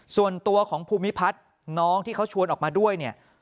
ส่วนตัวของภูมิพัฒน์น้องที่เขาชวนออกมาด้วยเนี่ย